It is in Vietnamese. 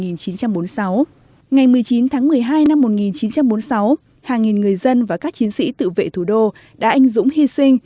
ngày một mươi chín tháng một mươi hai năm một nghìn chín trăm bốn mươi sáu hàng nghìn người dân và các chiến sĩ tự vệ thủ đô đã anh dũng hy sinh